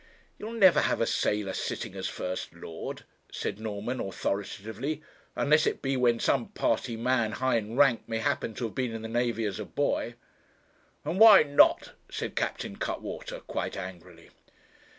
'You'll never have a sailor sitting as first lord,' said Norman, authoritatively; 'unless it be when some party man, high in rank, may happen to have been in the navy as a boy.' 'And why not?' said Captain Cuttwater quite angrily.